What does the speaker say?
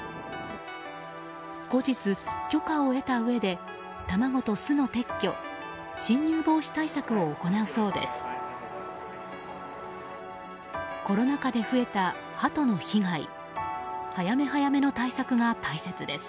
後日、許可を得たうえで卵と巣の撤去侵入防止対策を行うそうです。